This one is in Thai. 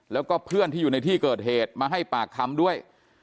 แล้วก็เพื่อนที่อยู่ในที่เกิดเหตุมาให้ปากคำด้วย